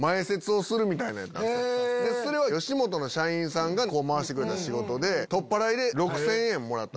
それは吉本の社員さんが回してくれた仕事でとっぱらいで。